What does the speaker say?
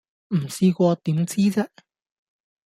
唔試過點知啫